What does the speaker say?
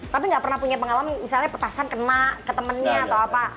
tapi nggak pernah punya pengalaman misalnya petasan kena ke temennya atau apa